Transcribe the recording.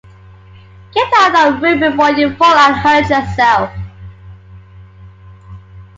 Get down off the roof before you fall and hurt yourself.